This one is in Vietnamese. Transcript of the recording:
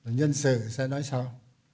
nhân sự sẽ nói sau